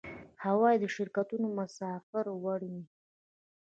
هوایی شرکتونه مسافر وړي